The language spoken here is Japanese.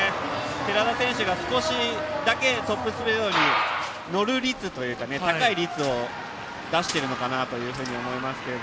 寺田選手が少しだけトップスピードに乗る率というか高い率を出していると思いますが。